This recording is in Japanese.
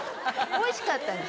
おいしかったんだ。